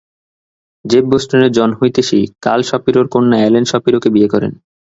Jeff বোস্টনের জনহিতৈষী curl শাপিরোর কন্যা এলেন শাপিরোকে বিয়ে করেন।